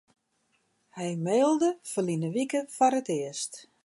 Hy mailde ferline wike foar it earst.